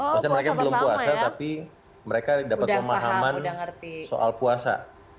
maksudnya mereka belum puasa tapi mereka dapat pemahaman soal puasa